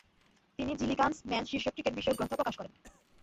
তিনি Gilligan's Man শীর্ষক cricket বিষয়ক গ্রন্থ প্রকাশ করেন।